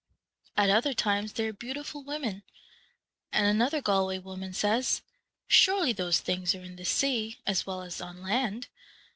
At other times they are beautiful women; and another Galway woman says, * Surely those things are in the sea as well as on land.